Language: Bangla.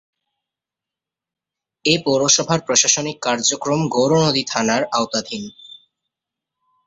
এ পৌরসভার প্রশাসনিক কার্যক্রম গৌরনদী থানার আওতাধীন।